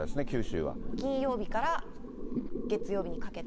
金曜日から月曜日にかけて。